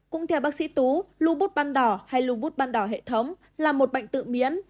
cũng theo bác sĩ tú lưu bút bắt đỏ hay lưu bút bắt đỏ hệ thống là một bệnh tự miễn